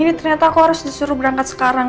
tapi ternyata aku harus disuruh berangkat sekarang